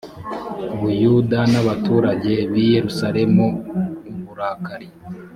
buyuda n abaturage b i yerusalemu uburakari